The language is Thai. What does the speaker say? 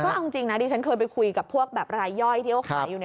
ก็เอาจริงนะดิฉันเคยไปคุยกับพวกแบบรายย่อยที่เขาขายอยู่